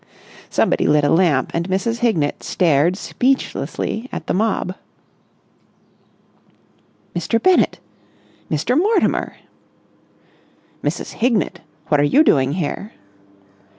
Somebody lit a lamp, and Mrs. Hignett stared speechlessly at the mob. "Mr. Bennett! Mr. Mortimer!" "Mrs. Hignett! What are you doing here?"